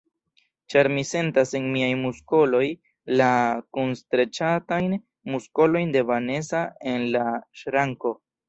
Ĉar mi sentas en miaj muskoloj la kunstreĉatajn muskolojn de Vanesa en la ŝranko.